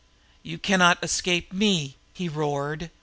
"You can not escape me!" he roared.